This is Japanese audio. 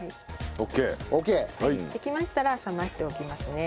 できましたら冷ましておきますね。